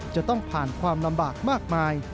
จะต้องผ่านความลำบากมากมาย